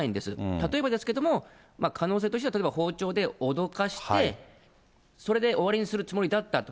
例えばですけれども、可能性としては、例えば包丁で脅かしてそれで終わりにするつもりだったと。